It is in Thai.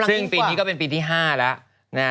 ซึ่งปีนี้ก็เป็นปีที่๕แล้วนะฮะ